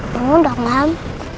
mau dong mam